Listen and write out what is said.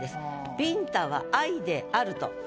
「ビンタは愛である」と。